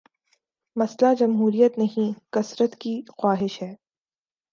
مسئلہ جمہوریت نہیں، کثرت کی خواہش ہے۔